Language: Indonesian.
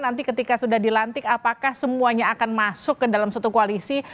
nanti ketika sudah dilantik apakah semuanya akan masuk ke dalam satu koalisi